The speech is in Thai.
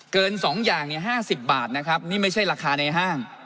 เกิน๒อย่าง๕๐บาทนะครับนี่ไม่ใช่ราคาในห้าง